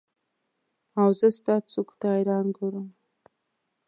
اوزه ستا څوکو ته حیران ګورم